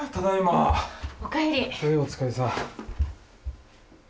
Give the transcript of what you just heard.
はいお疲れさん。